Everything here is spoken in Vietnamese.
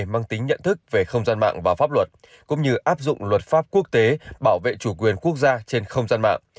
mang tính nhận thức về không gian mạng và pháp luật cũng như áp dụng luật pháp quốc tế bảo vệ chủ quyền quốc gia trên không gian mạng